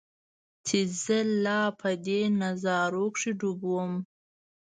چې زۀ لا پۀ دې نظارو کښې ډوب ووم